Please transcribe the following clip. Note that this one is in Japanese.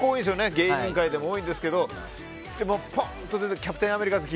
芸人界でも多いんですけどキャプテン・アメリカ好き。